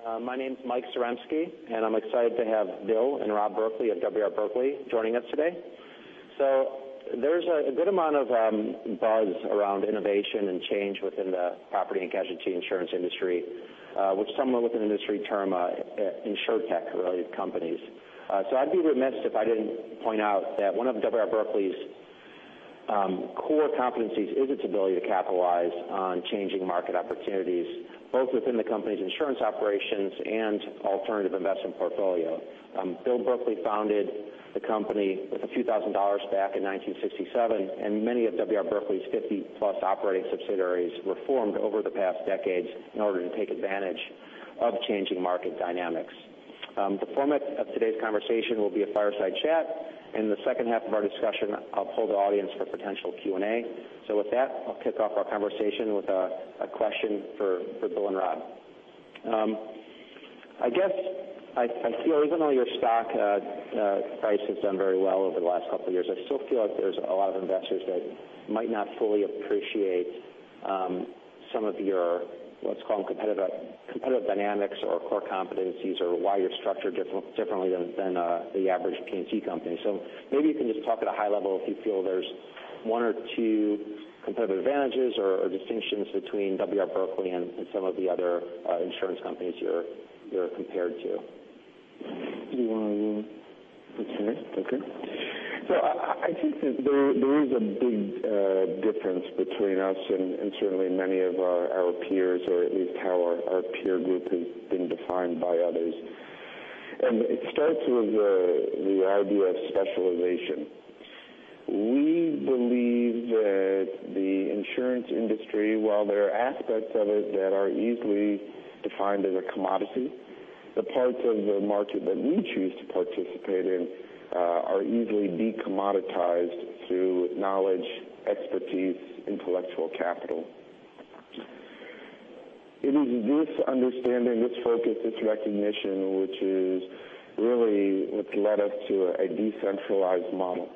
Thanks. Good afternoon, everybody. My name's Mike Zaremski, I'm excited to have Bill and Rob Berkley of W. R. Berkley joining us today. There's a good amount of buzz around innovation and change within the property and casualty insurance industry, which some within the industry term InsurTech related companies. I'd be remiss if I didn't point out that one of W. R. Berkley's core competencies is its ability to capitalize on changing market opportunities, both within the company's insurance operations and alternative investment portfolio. Bill Berkley founded the company with a few thousand dollars back in 1967. Many of W. R. Berkley's 50-plus operating subsidiaries were formed over the past decades in order to take advantage of changing market dynamics. The format of today's conversation will be a fireside chat. In the second half of our discussion, I'll poll the audience for potential Q&A. With that, I'll kick off our conversation with a question for Bill and Rob. I feel even though your stock price has done very well over the last couple of years, I still feel like there's a lot of investors that might not fully appreciate some of your, let's call them competitive dynamics or core competencies or why you're structured differently than the average P&C company. Maybe you can just talk at a high level if you feel there's one or two competitive advantages or distinctions between W. R. Berkley and some of the other insurance companies you're compared to. Do you want to? Okay. I think that there is a big difference between us and certainly many of our peers, or at least how our peer group has been defined by others. It starts with the idea of specialization. We believe that the insurance industry, while there are aspects of it that are easily defined as a commodity, the parts of the market that we choose to participate in are easily de-commoditized through knowledge, expertise, intellectual capital. It is this understanding, this focus, this recognition, which is really what's led us to a decentralized model.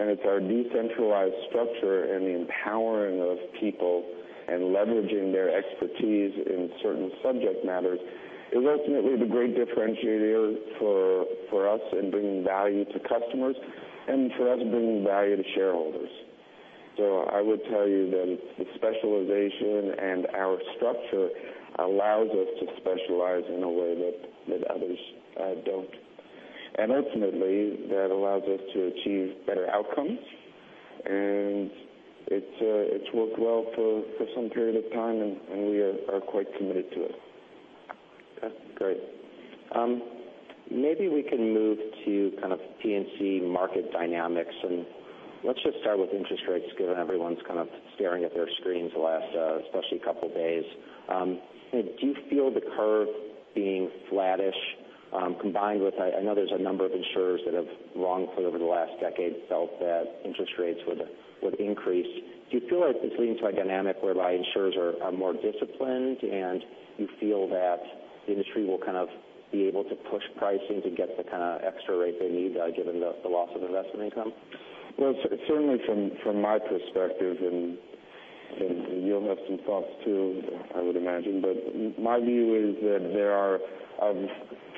It's our decentralized structure and the empowering of people and leveraging their expertise in certain subject matters is ultimately the great differentiator for us in bringing value to customers and for us bringing value to shareholders. I would tell you that the specialization and our structure allows us to specialize in a way that others don't. Ultimately, that allows us to achieve better outcomes. It's worked well for some period of time. We are quite committed to it. That's great. Maybe we can move to kind of P&C market dynamics. Let's just start with interest rates, given everyone's kind of staring at their screens the last, especially couple days. Do you feel the curve being flattish, combined with, I know there's a number of insurers that have wrongfully over the last decade felt that interest rates would increase. Do you feel like this leads to a dynamic whereby insurers are more disciplined, and you feel that the industry will kind of be able to push pricing to get the kind of extra rate they need given the loss of investment income? Well, certainly from my perspective, and you'll have some thoughts, too, I would imagine, but my view is that there are a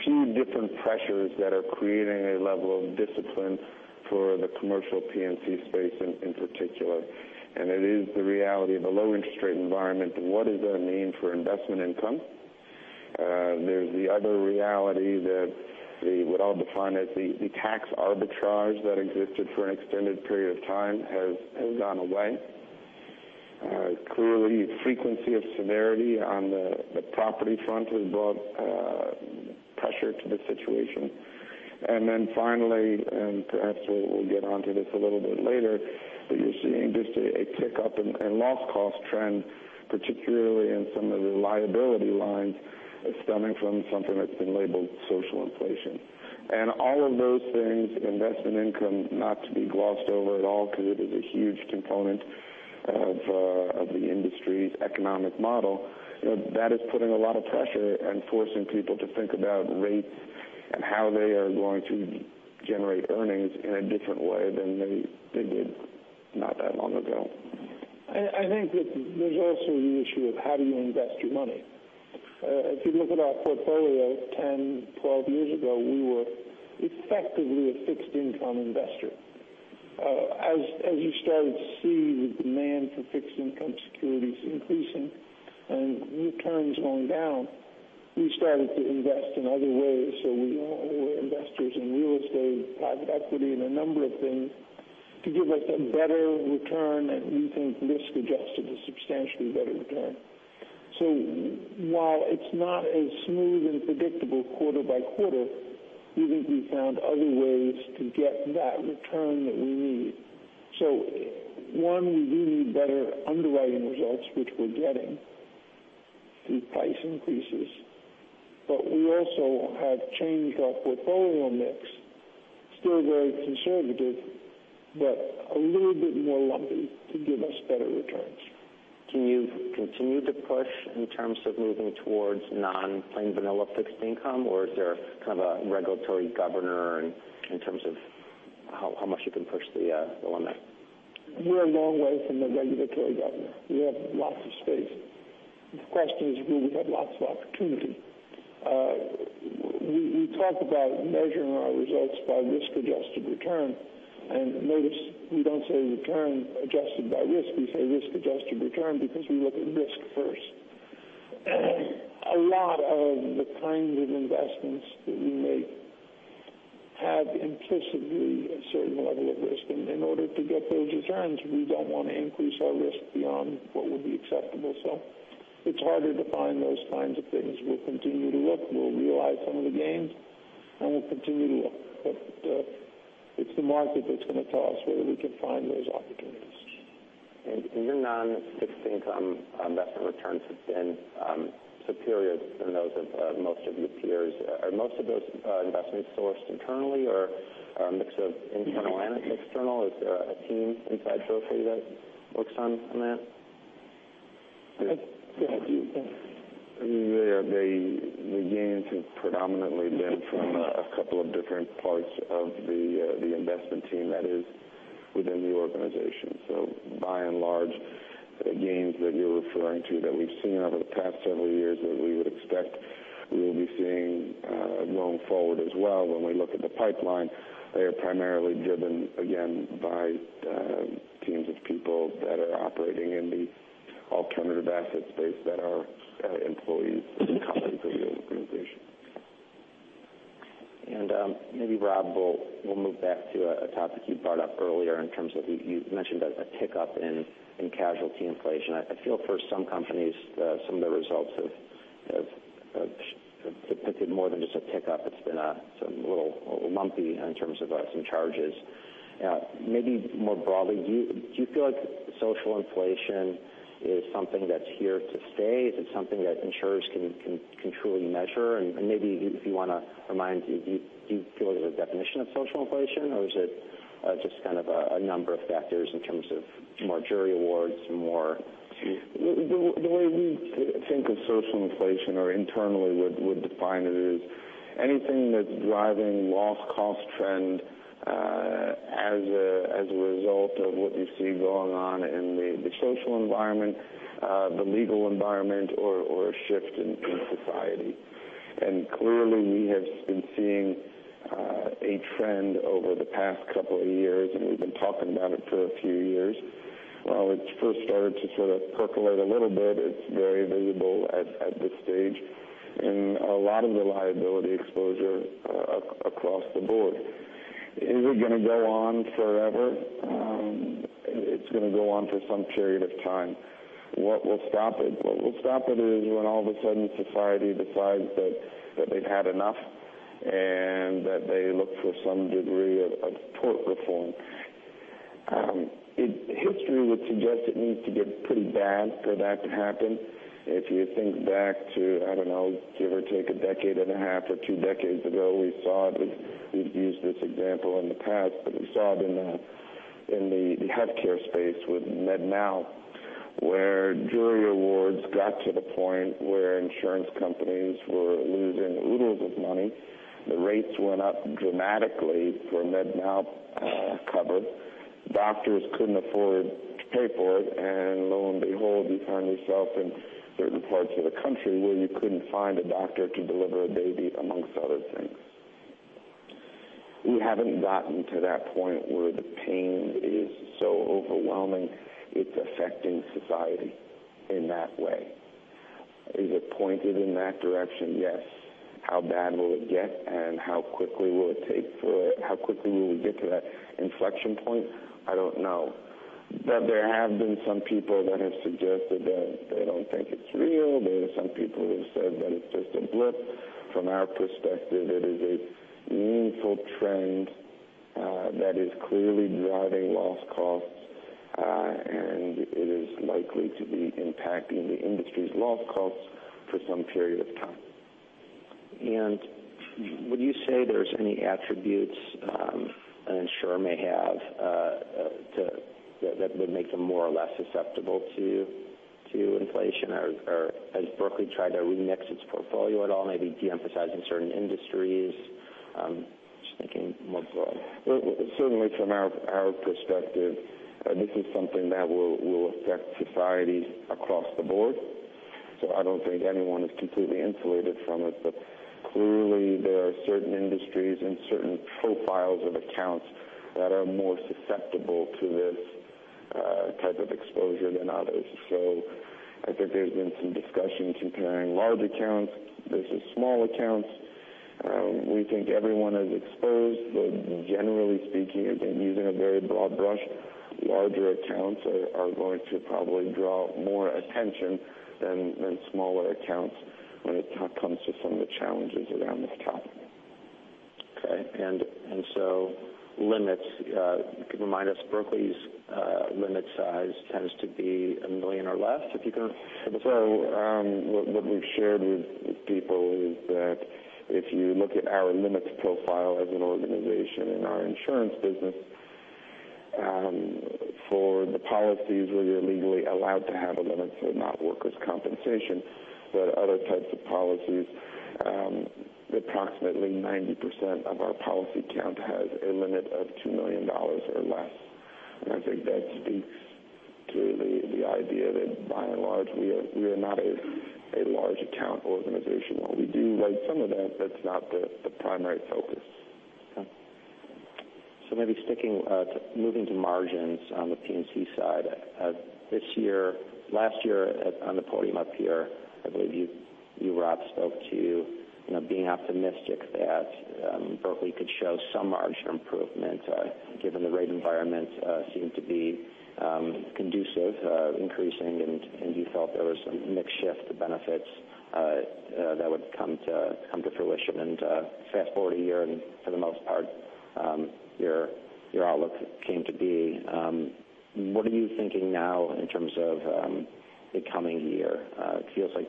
few different pressures that are creating a level of discipline for the commercial P&C space in particular. It is the reality of a low interest rate environment and what does that mean for investment income? There's the other reality that we would all define as the tax arbitrage that existed for an extended period of time has gone away. Clearly, frequency of severity on the property front has brought pressure to the situation. Then finally, and perhaps we'll get onto this a little bit later, but you're seeing just a tick up in loss cost trend, particularly in some of the liability lines that's stemming from something that's been labeled social inflation. All of those things, investment income, not to be glossed over at all because it is a huge component of the industry's economic model, that is putting a lot of pressure and forcing people to think about rates and how they are going to generate earnings in a different way than they did not that long ago. I think that there's also the issue of how do you invest your money? If you look at our portfolio 10, 12 years ago, we were effectively a fixed income investor. As you started to see the demand for fixed income securities increasing and returns going down, we started to invest in other ways. We're investors in real estate, private equity, and a number of things to give us a better return, and we think risk-adjusted, a substantially better return. While it's not as smooth and predictable quarter by quarter, we think we found other ways to get that return that we need. One, we do need better underwriting results, which we're getting through price increases. We also have changed our portfolio mix, still very conservative, but a little bit more lumpy to give us better returns. Can you continue to push in terms of moving towards non-plain vanilla fixed income, or is there kind of a regulatory governor in terms of how much you can push the limit? We're a long way from the regulatory governor. We have lots of space. The question is, do we have lots of opportunity? We talk about measuring our results by risk-adjusted return. Notice we don't say return adjusted by risk. We say risk-adjusted return because we look at risk first. A lot of the kinds of investments that we make have implicitly a certain level of risk. In order to get those returns, we don't want to increase our risk beyond what would be acceptable. It's harder to find those kinds of things. We'll continue to look. We'll realize some of the gains, and we'll continue to look. It's the market that's going to tell us whether we can find those opportunities. Your non fixed income investment returns have been superior than those of most of your peers. Are most of those investments sourced internally or a mix of internal and external? Is there a team inside Berkley that works on that? Yes. The gains have predominantly been from a couple of different parts of the investment team that is within the organization. By and large, the gains that you're referring to, that we've seen over the past several years that we would expect we will be seeing going forward as well when we look at the pipeline, they are primarily driven, again, by teams of people that are operating in the alternative asset space that are employees of the company, for the organization. Maybe, Rob, we'll move back to a topic you brought up earlier in terms of, you mentioned a pickup in casualty inflation. I feel for some companies, some of the results have depicted more than just a pickup. It's been a little lumpy in terms of some charges. Maybe more broadly, do you feel like social inflation is something that's here to stay? Is it something that insurers can truly measure? Maybe if you want to remind, do you feel like there's a definition of social inflation, or is it just kind of a number of factors in terms of more jury awards and more? The way we think of social inflation or internally would define it, is anything that's driving loss cost trend as a result of what you see going on in the social environment, the legal environment, or a shift in society. Clearly, we have been seeing a trend over the past couple of years, and we've been talking about it for a few years. While it first started to sort of percolate a little bit, it's very visible at this stage in a lot of the liability exposure across the board. Is it going to go on forever? It's going to go on for some period of time. What will stop it? What will stop it is when all of a sudden society decides that they've had enough and that they look for some degree of tort reform. History would suggest it needs to get pretty bad for that to happen. If you think back to, I don't know, give or take a decade and a half or 2 decades ago, we saw it. We've used this example in the past, but we saw it in the healthcare space with med mal, where jury awards got to the point where insurance companies were losing oodles of money. The rates went up dramatically for med mal cover. Doctors couldn't afford to pay for it, and lo and behold, you find yourself in certain parts of the country where you couldn't find a doctor to deliver a baby, amongst other things. We haven't gotten to that point where the pain is so overwhelming it's affecting society in that way. Is it pointed in that direction? Yes. How bad will it get, and how quickly will we get to that inflection point? I don't know. There have been some people that have suggested that they don't think it's real. There are some people who have said that it's just a blip. From our perspective, it is a meaningful trend that is clearly driving loss costs, and it is likely to be impacting the industry's loss costs for some period of time. Would you say there's any attributes an insurer may have that would make them more or less susceptible to inflation? Has Berkley tried to remix its portfolio at all, maybe de-emphasizing certain industries? Just thinking more broadly. Certainly from our perspective, this is something that will affect societies across the board. I don't think anyone is completely insulated from it. Clearly, there are certain industries and certain profiles of accounts that are more susceptible to this type of exposure than others. I think there's been some discussion comparing large accounts versus small accounts. We think everyone is exposed. Generally speaking, again, using a very broad brush, larger accounts are going to probably draw more attention than smaller accounts when it comes to some of the challenges around this topic. Okay. Limits, remind us, Berkley's limit size tends to be $1 million or less. What we've shared with people is that if you look at our limits profile as an organization in our insurance business, for the policies where you're legally allowed to have a limit for not workers' compensation, but other types of policies, approximately 90% of our policy count has a limit of $2 million or less. I think that speaks to the idea that by and large, we are not a large account organization. While we do write some of that's not the primary focus. Maybe moving to margins on the P&C side. Last year, on the podium up here, I believe you, Rob, spoke to being optimistic that Berkley could show some margin improvement, given the rate environment seemed to be conducive, increasing, and you felt there was some mix shift benefits that would come to fruition. Fast-forward a year, and for the most part, your outlook came to be. What are you thinking now in terms of the coming year? It feels like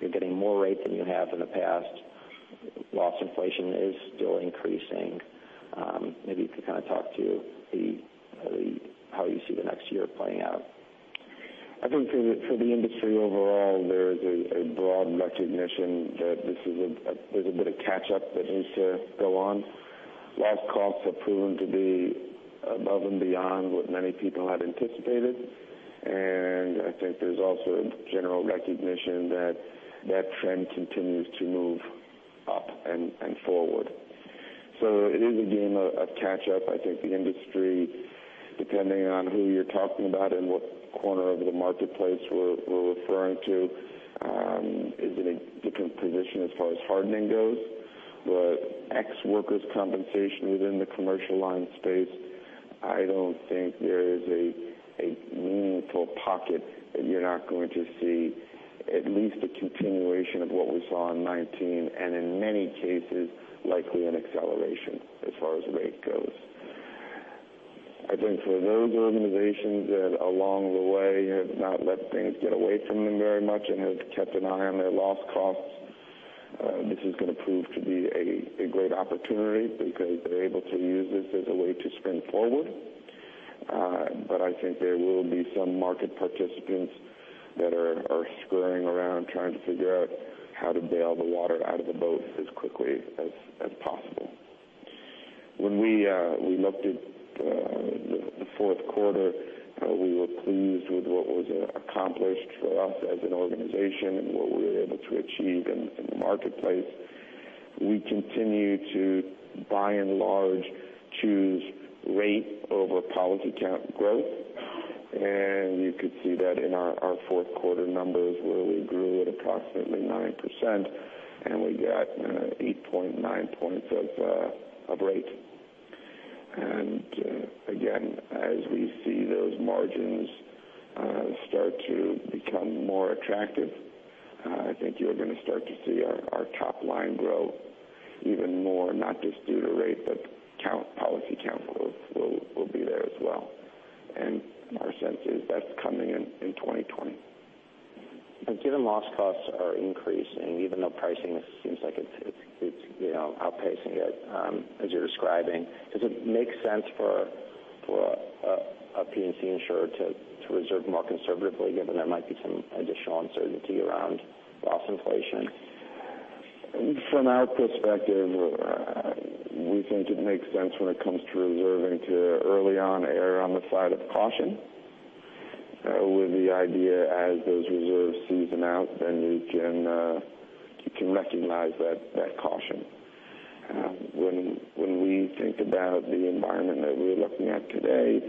you're getting more rate than you have in the past. Loss inflation is still increasing. Maybe you could kind of talk to how you see the next year playing out. I think for the industry overall, there is a broad recognition that there's a bit of catch-up that needs to go on. Loss costs have proven to be above and beyond what many people had anticipated, and I think there's also a general recognition that that trend continues to move up and forward. It is a game of catch-up. I think the industry, depending on who you're talking about and what corner of the marketplace we're referring to, is in a different position as far as hardening goes. Ex workers' compensation within the commercial line space, I don't think there is a meaningful pocket that you're not going to see at least a continuation of what we saw in 2019, and in many cases, likely an acceleration as far as rate goes. I think for those organizations that along the way have not let things get away from them very much and have kept an eye on their loss costs, this is going to prove to be a great opportunity because they're able to use this as a way to sprint forward. I think there will be some market participants that are scurrying around trying to figure out how to bail the water out of the boat as quickly as possible. When we looked at the fourth quarter, we were pleased with what was accomplished for us as an organization and what we were able to achieve in the marketplace. We continue to, by and large, choose rate over policy count growth, and you could see that in our fourth quarter numbers where we grew at approximately 9% and we got 8.9 points of rate. Again, as we see those margins start to become more attractive, I think you are going to start to see our top-line growth even more, not just due to rate, but policy count growth will be there as well. Our sense is that's coming in 2020. Given loss costs are increasing, even though pricing seems like it's outpacing it as you're describing, does it make sense for a P&C insurer to reserve more conservatively, given there might be some additional uncertainty around loss inflation? From our perspective, we think it makes sense when it comes to reserving to early on err on the side of caution, with the idea as those reserves season out, then you can recognize that caution. When we think about the environment that we're looking at today,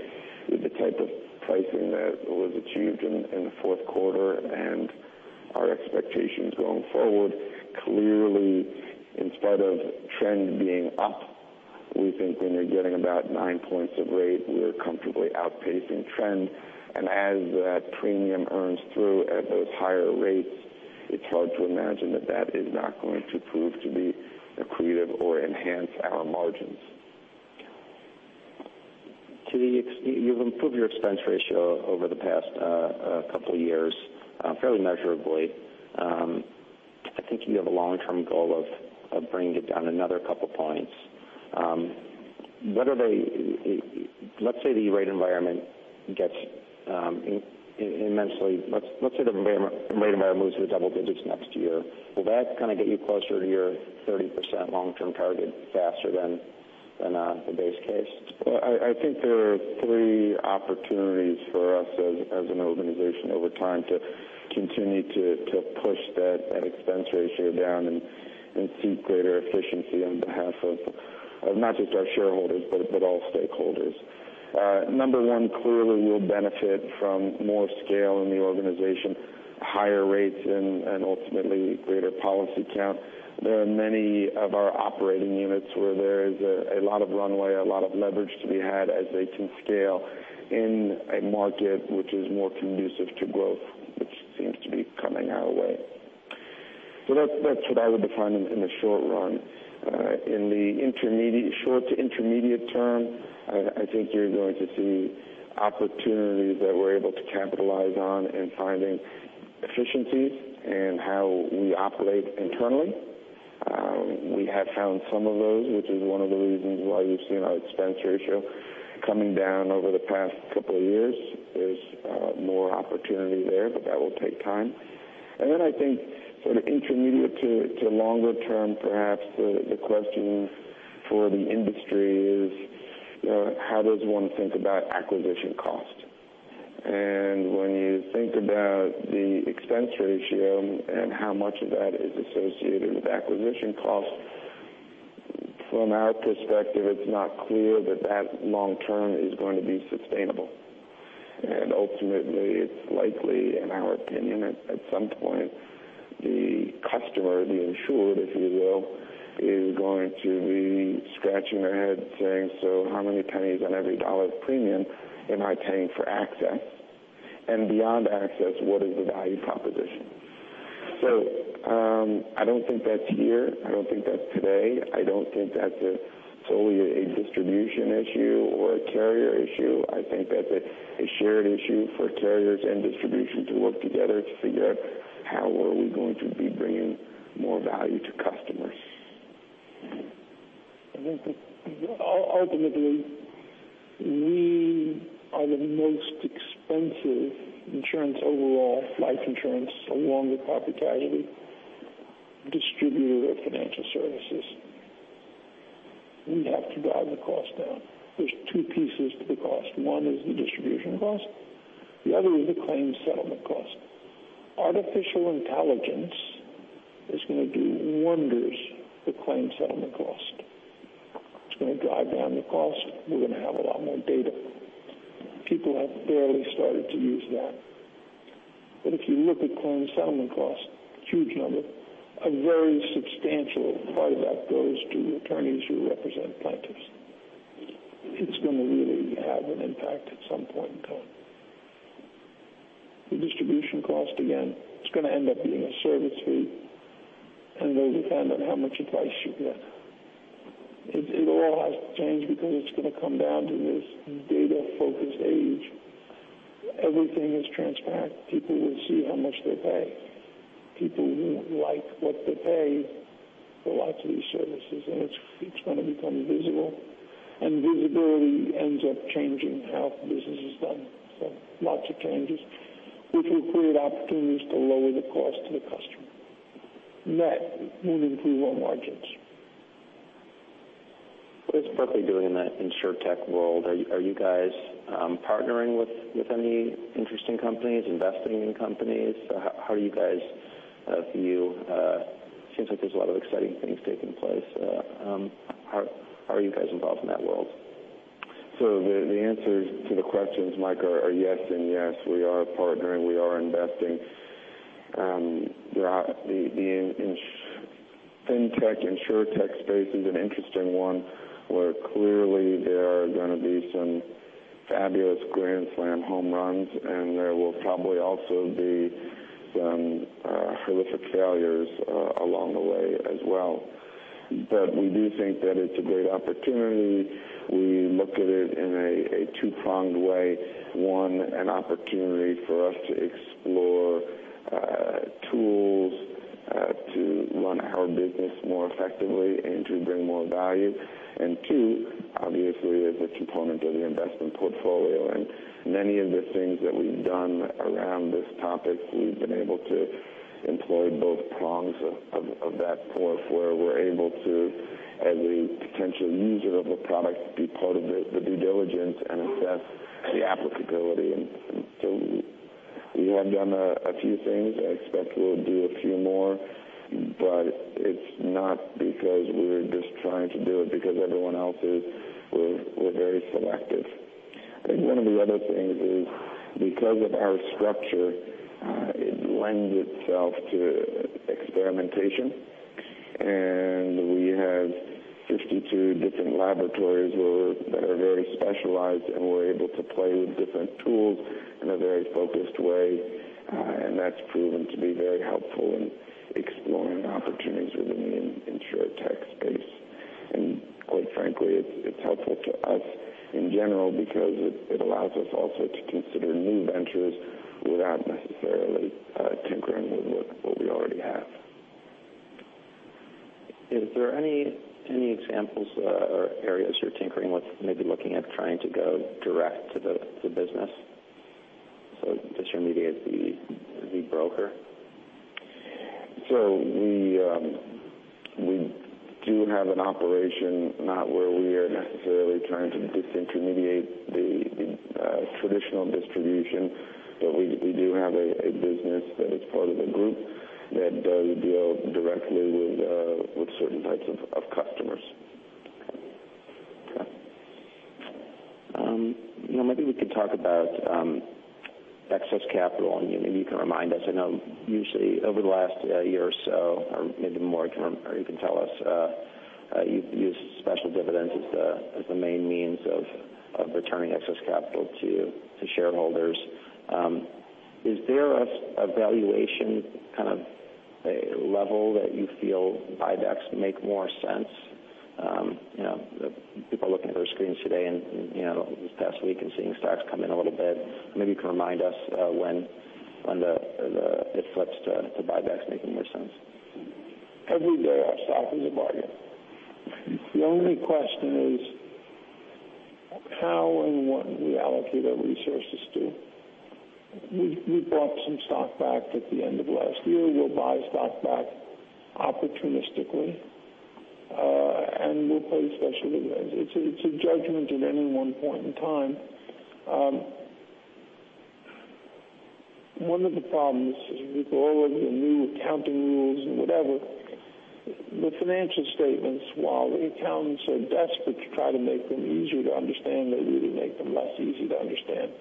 with the type of pricing that was achieved in the fourth quarter and our expectations going forward, clearly in spite of trend being up, we think when you're getting about nine points of rate, we're comfortably outpacing trend. As that premium earns through at those higher rates, it's hard to imagine that that is not going to prove to be accretive or enhance our margins. You've improved your expense ratio over the past couple of years, fairly measurably. I think you have a long-term goal of bringing it down another couple of points. Let's say the rate environment moves to the double digits next year. Will that kind of get you closer to your 30% long-term target faster than the base case? I think there are three opportunities for us as an organization over time to continue to push that expense ratio down and seek greater efficiency on behalf of not just our shareholders, but all stakeholders. Number one, clearly we'll benefit from more scale in the organization, higher rates, and ultimately greater policy count. There are many of our operating units where there is a lot of runway, a lot of leverage to be had as they can scale in a market which is more conducive to growth, which seems to be coming our way. That's what I would define in the short run. In the short to intermediate term, I think you're going to see opportunities that we're able to capitalize on in finding efficiencies in how we operate internally. We have found some of those, which is one of the reasons why you've seen our expense ratio coming down over the past couple of years. There's more opportunity there, but that will take time. Then I think sort of intermediate to longer term, perhaps the question for the industry is how does one think about acquisition cost? When you think about the expense ratio and how much of that is associated with acquisition costs, from our perspective, it's not clear that long term is going to be sustainable. Ultimately, it's likely, in our opinion, at some point the customer, the insured, if you will, is going to be scratching their head saying, "How many pennies on every dollar of premium am I paying for access? Beyond access, what is the value proposition?" I don't think that's here. I don't think that's today. I don't think that's solely a distribution issue or a carrier issue. I think that's a shared issue for carriers and distribution to work together to figure out how are we going to be bringing more value to customers. I think that ultimately we are the most expensive insurance overall, life insurance, along with profitability, distributor of financial services. We have to drive the cost down. There's two pieces to the cost. One is the distribution cost, the other is the claim settlement cost. artificial intelligence is going to do wonders to claim settlement cost. It's going to drive down the cost. We're going to have a lot more data. People have barely started to use that. If you look at claim settlement cost, huge number, a very substantial part of that goes to attorneys who represent plaintiffs. It's going to really have an impact at some point in time. The distribution cost, again, it's going to end up being a service fee, and it'll depend on how much advice you get. It all has to change because it's going to come down to this data-focused age. Everything is transparent. People will see how much they pay. People won't like what they pay for lots of these services, and it's going to become visible, and visibility ends up changing how business is done. Lots of changes, which will create opportunities to lower the cost to the customer. Net will improve our margins. What is Berkley doing in that InsurTech world? Are you guys partnering with any interesting companies, investing in companies? How do you guys view-- it seems like there's a lot of exciting things taking place. How are you guys involved in that world? The answers to the questions, Mike, are yes and yes. We are partnering. We are investing. The InsurTech space is an interesting one, where clearly there are going to be some fabulous grand slam home runs, and there will probably also be some horrific failures along the way as well. We do think that it's a great opportunity. We look at it in a two-pronged way. One, an opportunity for us to explore tools to run our business more effectively and to bring more value. Two, obviously, as a component of the investment portfolio. In many of the things that we've done around this topic, we've been able to employ both prongs of that fork, where we're able to, as a potential user of a product, be part of the due diligence and assess the applicability. We have done a few things. I expect we'll do a few more, it's not because we're just trying to do it because everyone else is. We're very selective. I think one of the other things is because of our structure, it lends itself to experimentation. We have 52 different laboratories that are very specialized, and we're able to play with different tools in a very focused way. That's proven to be very helpful in exploring opportunities within the InsurTech space. Quite frankly, it's helpful to us in general because it allows us also to consider new ventures without necessarily tinkering with what we already have. Is there any examples or areas you're tinkering with maybe looking at trying to go direct to the business, so disintermediate the broker? We do have an operation, not where we are necessarily trying to disintermediate the traditional distribution, but we do have a business that is part of the group that does deal directly with certain types of customers. Okay. Maybe we could talk about excess capital, and maybe you can remind us. I know usually over the last year or so, or maybe more, or you can tell us, you use special dividends as the main means of returning excess capital to shareholders. Is there a valuation kind of level that you feel buybacks make more sense? People are looking at their screens today and this past week and seeing stocks come in a little bit. Maybe you can remind us when it flips to buybacks making more sense. Every day, our stock is a bargain. The only question is how and what we allocate our resources to. We bought some stock back at the end of last year. We'll buy stock back opportunistically, and we'll pay a special dividend. It's a judgment at any one point in time. One of the problems, as we go over the new accounting rules and whatever, the financial statements, while the accountants are desperate to try to make them easier to understand, they really make them less easy to understand.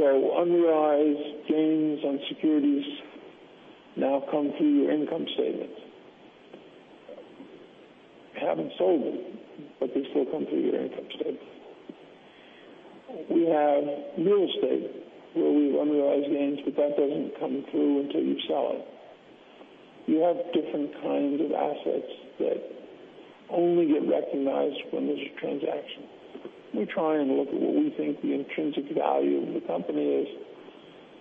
Unrealized gains on securities now come through your income statement. You haven't sold them, but they still come through your income statement. We have real estate where we realize gains, but that doesn't come through until you sell it. You have different kinds of assets that only get recognized when there's a transaction. We try and look at what we think the intrinsic value of the company is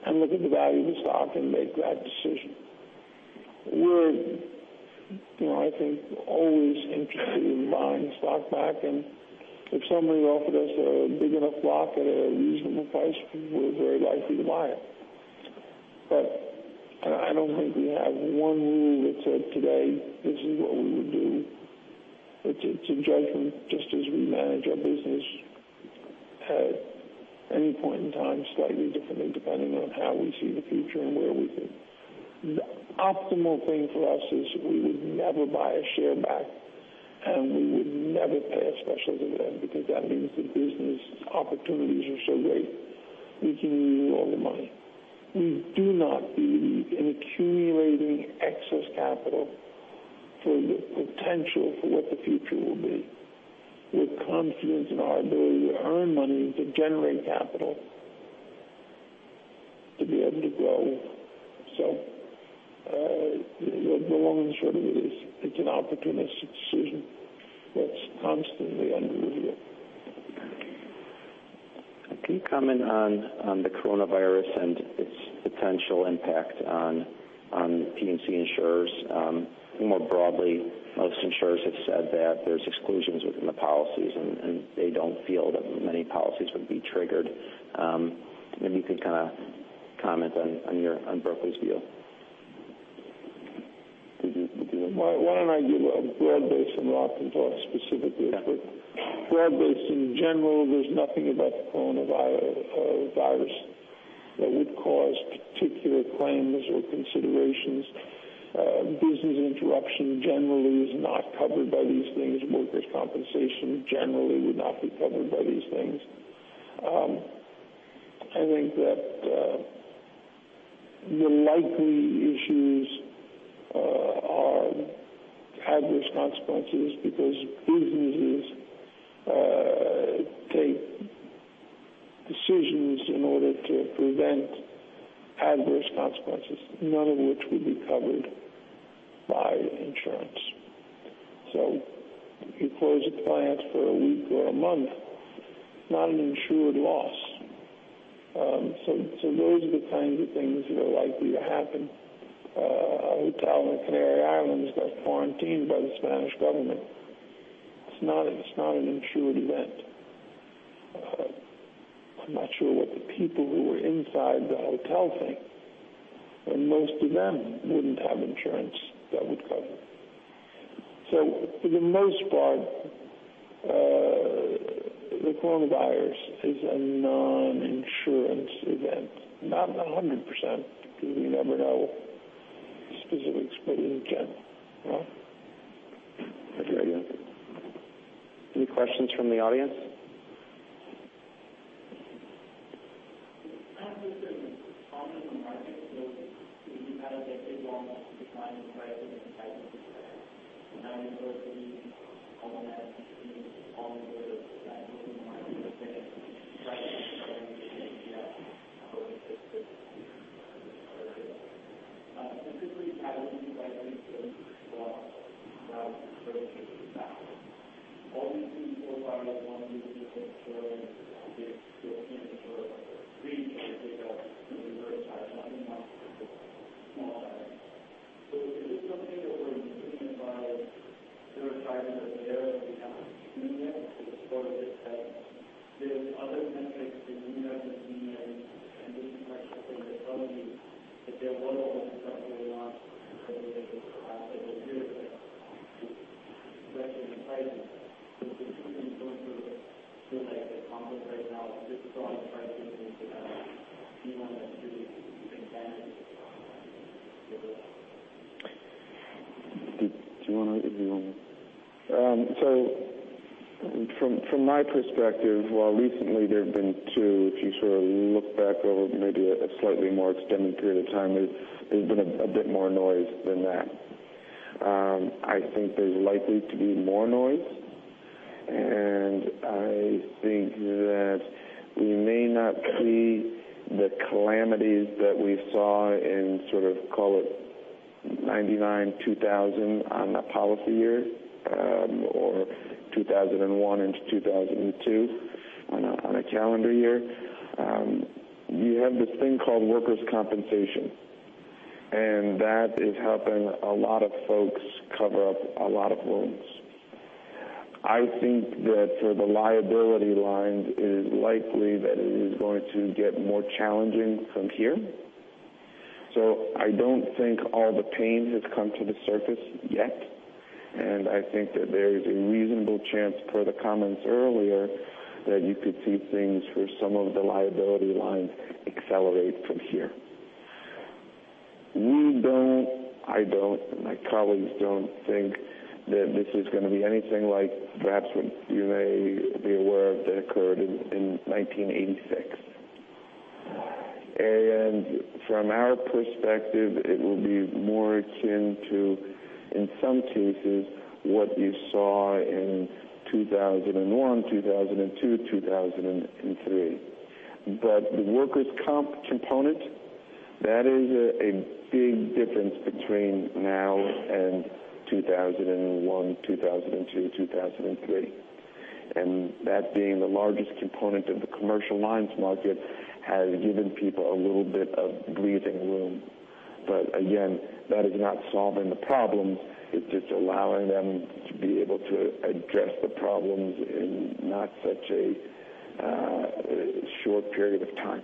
and look at the value of the stock and make that decision. We're, I think, always interested in buying stock back, and if somebody offered us a big enough block at a reasonable price, we're very likely to buy it. I don't think we have one rule that said today, this is what we would do. It's a judgment, just as we manage our business at any point in time slightly differently, depending on how we see the future and where we think. The optimal thing for us is we would never buy a share back, and we would never pay a special dividend because that means the business opportunities are so great we can use all the money. We do not believe in accumulating excess capital for the potential for what the future will be. We're confident in our ability to earn money, to generate capital, to be able to grow. The long and short of it is it's an opportunist decision that's constantly under review. Can you comment on the coronavirus and its potential impact on P&C insurers? More broadly, most insurers have said that there's exclusions within the policies, and they don't feel that many policies would be triggered. Maybe you could comment on Berkley's view. Why don't I give a broad-based and then I can talk specifically. Yeah. Broad-based, in general, there's nothing about the coronavirus that would cause particular claims or considerations. Business interruption generally is not covered by these things. Workers' compensation generally would not be covered by these things. I think that the likely issues are adverse consequences because businesses take decisions in order to prevent adverse consequences, none of which would be covered by insurance. You close a plant for a week or a month, not an insured loss. Those are the kinds of things that are likely to happen. A hotel in the Canary Islands got quarantined by the Spanish government. It's not an insured event. I'm not sure what the people who were inside the hotel think, and most of them wouldn't have insurance that would cover. For the most part, the coronavirus is a non-insurance event. Not 100%, because you never know specific exclusions. Jim? That's very good. Any questions from the audience? From my perspective, while recently there have been two, if you look back over maybe a slightly more extended period of time, there's been a bit more noise than that. I think there's likely to be more noise. I think that we may not see the calamities that we saw in sort of, call it 1999, 2000, on a policy year, or 2001 into 2002 on a calendar year. You have this thing called workers' compensation, and that is helping a lot of folks cover up a lot of wounds. I think that for the liability lines, it is likely that it is going to get more challenging from here. I don't think all the pain has come to the surface yet, and I think that there is a reasonable chance, per the comments earlier, that you could see things for some of the liability lines accelerate from here. We don't, I don't, and my colleagues don't think that this is going to be anything like perhaps what you may be aware of, that occurred in 1986. From our perspective, it will be more akin to, in some cases, what you saw in 2001, 2002, 2003. The workers' comp component, that is a big difference between now and 2001, 2002, 2003. That being the largest component of the commercial lines market has given people a little bit of breathing room. Again, that is not solving the problems. It's just allowing them to be able to address the problems in not such a short period of time.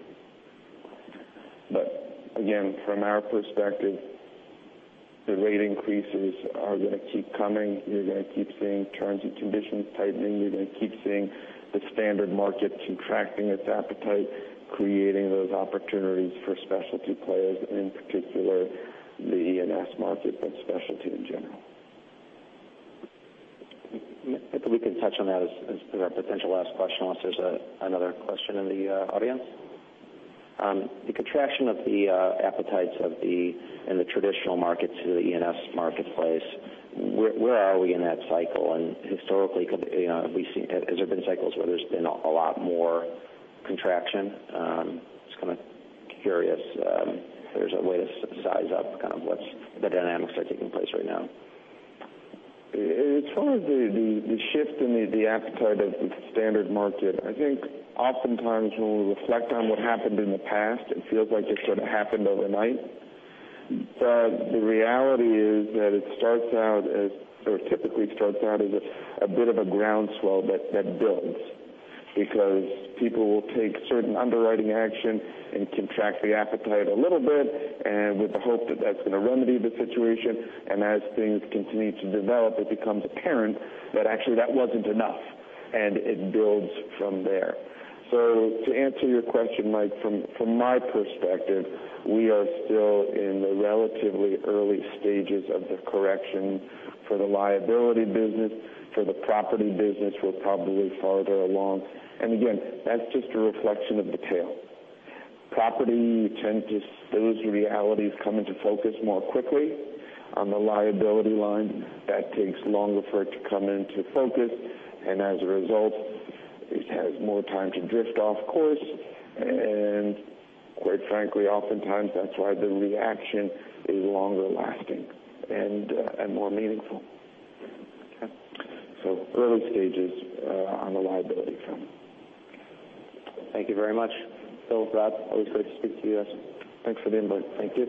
Again, from our perspective, the rate increases are going to keep coming. You're going to keep seeing terms and conditions tightening. You're going to keep seeing the standard market contracting its appetite, creating those opportunities for specialty players, in particular the E&S market, but specialty in general. I think we can touch on that as our potential last question, unless there's another question in the audience. The contraction of the appetites of the, in the traditional market to the E&S marketplace, where are we in that cycle? Historically, has there been cycles where there's been a lot more contraction? Just kind of curious if there's a way to size up kind of what the dynamics are taking place right now. As far as the shift in the appetite of the standard market, I think oftentimes when we reflect on what happened in the past, it feels like it sort of happened overnight. The reality is that it starts out as, or typically starts out as a bit of a groundswell that builds. Because people will take certain underwriting action and contract the appetite a little bit and with the hope that that's going to remedy the situation. As things continue to develop, it becomes apparent that actually that wasn't enough, and it builds from there. To answer your question, Mike, from my perspective, we are still in the relatively early stages of the correction for the liability business. For the property business, we're probably farther along. Again, that's just a reflection of the tail. Property, those realities come into focus more quickly. On the liability line, that takes longer for it to come into focus, as a result, it has more time to drift off course, quite frankly, oftentimes that's why the reaction is longer lasting and more meaningful. Okay. Early stages on the liability front. Thank you very much. Bill, Rob, always great to speak to you guys. Thanks for the invite. Thank you.